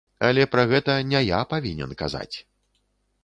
Але пра гэта не я павінен казаць.